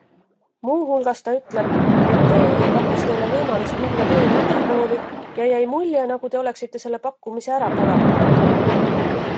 Muu hulgas ta ütleb, et TÜ pakkus teile võimalust minna tööle ülikooli ja jäi mulje, nagu te oleksite selle pakkumise ära põlanud.